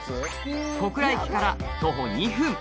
小倉駅から徒歩２分